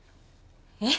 えっ？